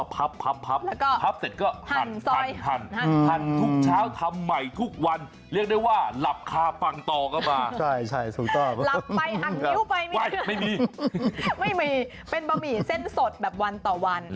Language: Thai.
เป็นปะหมี่เส้นสดวันต่อวัน